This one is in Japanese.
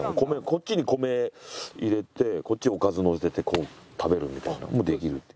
こっちに米入れてこっちにおかずのせてこう食べるみたいなのもできる。